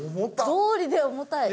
どうりで重たい。